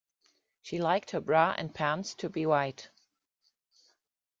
She liked her bra and pants to be white